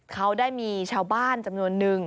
เขาได้มีชาวบ้านจำนวนนึง